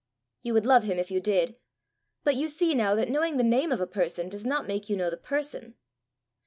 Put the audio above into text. "You would love him if you did! But you see now that knowing the name of a person does not make you know the person."